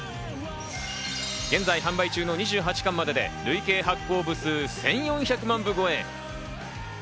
現在販売中の２８巻までで、累計発行部数１４００万部超え。